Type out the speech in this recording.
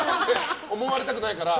思われたくないから。